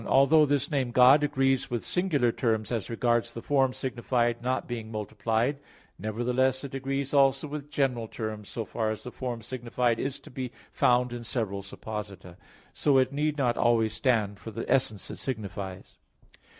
1: Although this name "God" agrees with singular terms as regards the form signified not being multiplied; nevertheless it agrees also with general terms so far as the form signified is to be found in several supposita. So it need not always stand for the essence it signifies.